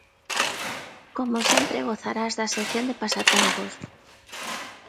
Como sempre gozarás da sección de Pasatempos.